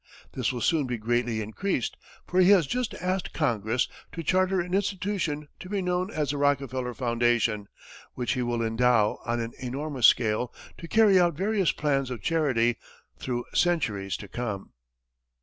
This will soon be greatly increased, for he has just asked Congress to charter an institution to be known as the Rockefeller Foundation, which he will endow on an enormous scale to carry out various plans of charity, through centuries to come.